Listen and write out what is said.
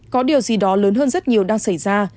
có điều gì đó lớn hơn rất nhiều đang xảy ra